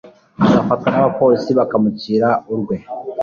agafatwa n'abapolisi bakamucira urwe